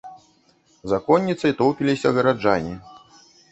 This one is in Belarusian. За конніцай тоўпіліся гараджане.